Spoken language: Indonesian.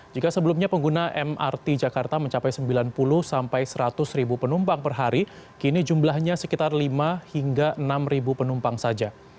jika sebelumnya pengguna mrt jakarta mencapai sembilan puluh sampai seratus ribu penumpang per hari kini jumlahnya sekitar lima hingga enam penumpang saja